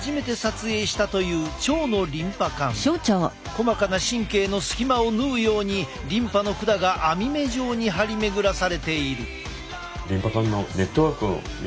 細かな神経の隙間を縫うようにリンパの管が網目状に張り巡らされている。